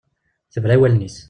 Tebra i wallen-is.